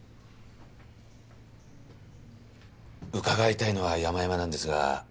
伺いたいのはやまやまなんですが。